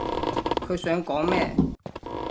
佢想講咩？